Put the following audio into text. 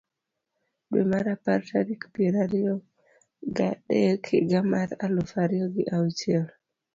dwe mar apar tarik piero ariyo ga dek higa mar aluf ariyo gi auchiel ,